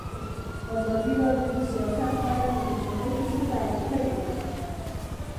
ازادي راډیو د سیاست په اړه د نېکمرغۍ کیسې بیان کړې.